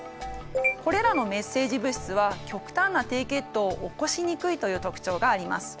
これらのメッセージ物質は極端な低血糖を起こしにくいという特徴があります。